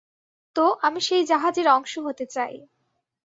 তো, আমি সেই জাহাজের অংশ হতে চাই।